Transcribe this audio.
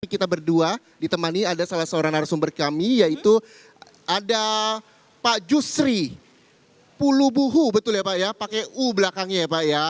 kita berdua ditemani ada salah seorang narasumber kami yaitu ada pak jusri pulubuhu betul ya pak ya pakai u belakangnya ya pak ya